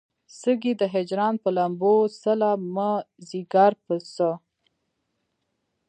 سيزې د هجران پۀ لمبو څله مې ځيګر پۀ څۀ